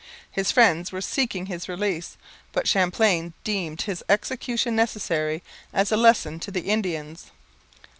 His friends were seeking his release; but Champlain deemed his execution necessary as a lesson to the Indians.